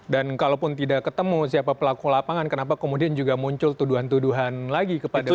dan kalaupun tidak ketemu siapa pelaku lapangan kenapa kemudian juga muncul tuduhan tuduhan lagi kepada beliau